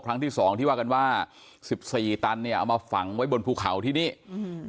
ครั้งที่สองที่ว่ากันว่าสิบสี่ตันเนี้ยเอามาฝังไว้บนภูเขาที่นี่อืม